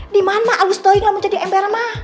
di mana mah alus doi ga mau jadi ember mah